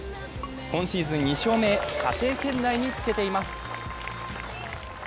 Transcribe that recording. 今シーズン２勝目へ射程圏内につけています。